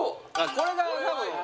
これが多分。